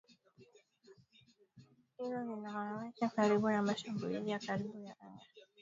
Hilo linawaweka karibu na mashambulizi ya karibuni ya anga ya Russia kwenye maeneo yaliyolenga magharibi mwa Ukraine.